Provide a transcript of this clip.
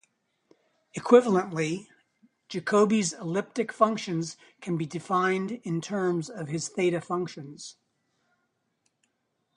Equivalently, Jacobi's elliptic functions can be defined in terms of his theta functions.